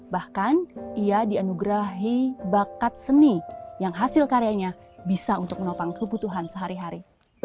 bahkan ia dianugerahi bakat seni yang hasil karyanya bisa untuk menopang kebutuhan sehari hari